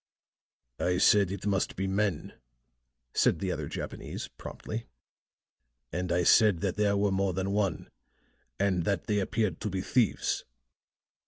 "I said it must be men," said the other Japanese promptly. "And I said that there were more than one, and that they appeared to be thieves."